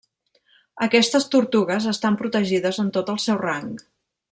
Aquestes tortugues estan protegides en tot el seu rang.